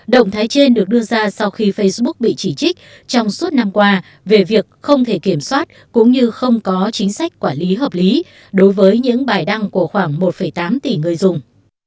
động thái trên được đưa ra sau khi facebook bị chỉ trích trong suốt năm qua về việc không thể kiểm soát cũng như không có chính sách quản lý hợp lý đối với những bài đăng của khoảng một tám tỷ người dùng